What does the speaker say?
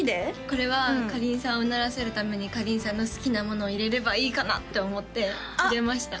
これはかりんさんを唸らせるためにかりんさんの好きなものを入れればいいかなって思って入れました